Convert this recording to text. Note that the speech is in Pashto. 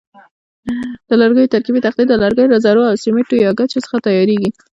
د لرګیو ترکیبي تختې د لرګیو له ذرو او سیمټو یا ګچو څخه تیاریږي.